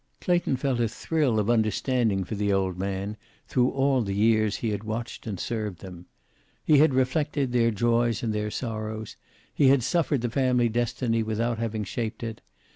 Clayton felt a thrill of understanding for the old man through all the years he had watched and served them. He had reflected their joys and their sorrows. He had suffered the family destiny without having shaped it.